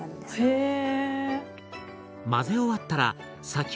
へえ。